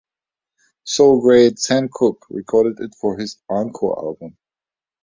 Soul great Sam Cooke recorded it for his "Encore" album.